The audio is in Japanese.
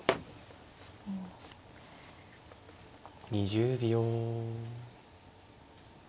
２０秒。